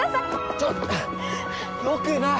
ちょっよくない！